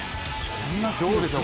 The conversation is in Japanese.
どうでしょう